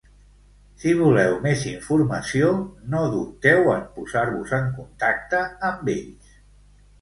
Si voleu més informació no dubteu en posar-vos en contacte amb ells!